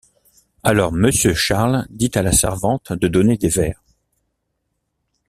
Alors, Monsieur Charles dit à la servante de donner des verres.